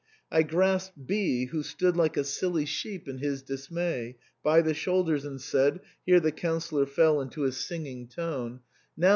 I grasped B , who stood like a silly sheep in his dismay, by the shoulders, and said (here the Councillor fell into his singing tone), * Now THE CREMONA VIOLIN.